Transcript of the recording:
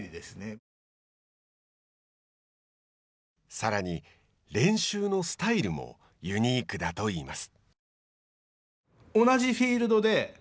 さらに練習のスタイルもユニークだといいます。